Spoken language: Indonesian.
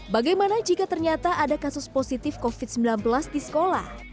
bagaimana jika ternyata ada kasus positif covid sembilan belas di sekolah